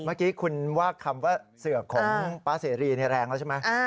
เมื่อกี้คุณว่าคำว่าเสือกของป๊าเสรีแรงแล้วใช่ไหม